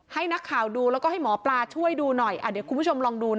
ให้นักข่าวดูแล้วก็ให้หมอปลาช่วยดูหน่อยเดี๋ยวคุณผู้ชมลองดูนะ